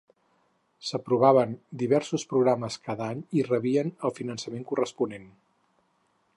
S'aprovaven diversos programes cada any i rebien el finançament corresponent.